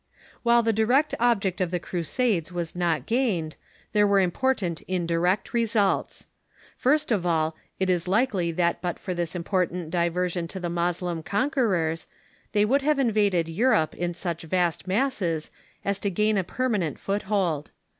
While the direct object of the Crusades was not gained, there were important indirect results. First of all, it is likely that but for this important diversion to the *"medln'ism^'" Moslem conquerors, they would have invaded Europe in such vast masses as to gain a per manent foothold.